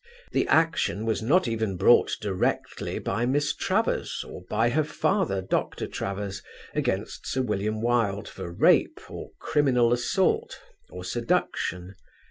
The action was not even brought directly by Miss Travers or by her father, Dr. Travers, against Sir William Wilde for rape or criminal assault, or seduction.